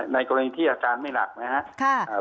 ในกรณีที่อาการไม่หนักนะครับ